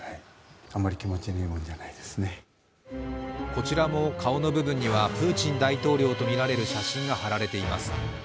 こちらも顔の部分にはプーチン大統領とみられる写真が貼られています。